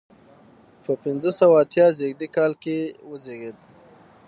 په پنځه سوه اویا زیږدي کال وزیږېد.